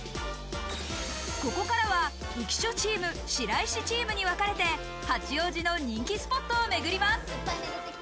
ここからは浮所チーム、白石チームにわかれて八王子の人気スポットをめぐります。